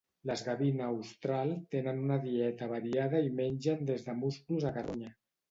Les gavina austral tenen una dieta variada i mengen des de musclos a carronya.